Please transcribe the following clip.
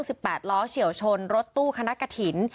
มีคนเสียชีวิตคุณ